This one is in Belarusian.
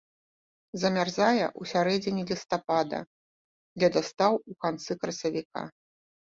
Замярзае ў сярэдзіне лістапада, ледастаў у канцы красавіка.